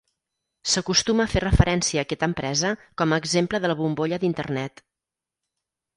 S'acostuma a fer referència a aquesta empresa com a exemple de la bombolla d'Internet.